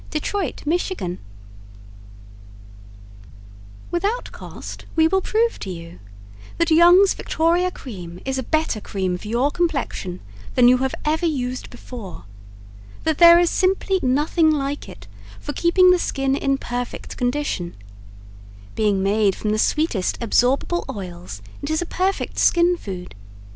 Detroit, Michigan Without Cost, We will prove to you That Young's Victoria Cream is a better cream for your complexion than you have ever used before. That there is simply nothing like it for keeping the skin in perfect condition. Being made from the sweetest absorbable oils it is a perfect skin food.